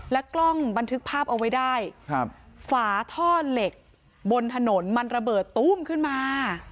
กล้องบันทึกภาพเอาไว้ได้ครับฝาท่อเหล็กบนถนนมันระเบิดตู้มขึ้นมา